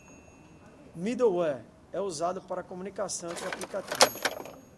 Middleware é usado para comunicação entre aplicativos.